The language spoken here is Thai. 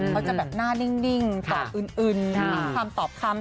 เขาจะแบบหน้านิ่งตอบอื่นมีคำตอบคำ